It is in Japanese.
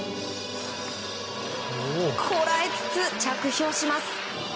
こらえつつ、着氷します。